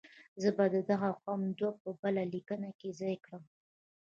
زه به د دغه قوم دود په بله لیکنه کې ځای کړم.